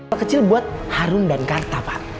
pak kecil buat harun dan karta pak